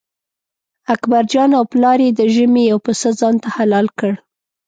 اکبرجان او پلار یې د ژمي یو پسه ځانته حلال کړ.